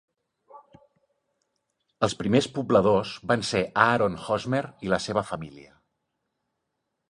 Els primers pobladors van ser Aaron Hosmer i la seva família.